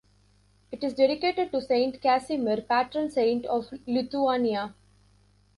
It is dedicated to Saint Casimir, patron saint of Lithuania.